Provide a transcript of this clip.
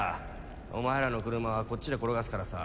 お前らの車はこっちで転がすからさ。